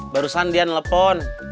barusan dia nelfon